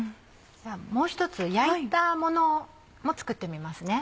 じゃあもう１つ焼いたものも作ってみますね。